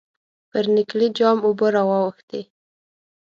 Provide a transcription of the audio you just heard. پر نکلي جام اوبه را واوښتې.